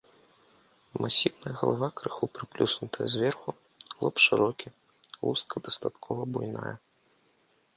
Масіўная галава крыху прыплюснутая зверху, лоб шырокі, луска дастаткова буйная.